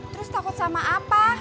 terus takut sama apa